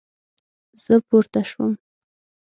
زه پورته شوم